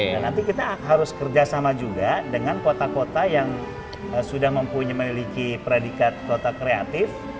nah nanti kita harus kerjasama juga dengan kota kota yang sudah mempunyai predikat kota kreatif